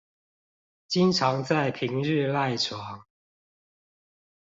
經常在平日賴床